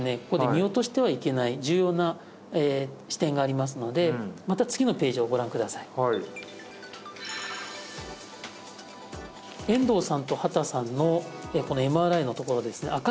ここで見落としてはいけない重要な視点がありますのでまた次のページをご覧ください遠藤さんと畑さんのこのＭＲＩのところですね